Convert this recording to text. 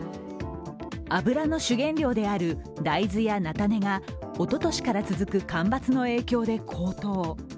油の主原料である大豆や菜種がおととしから続く干ばつの影響で高騰。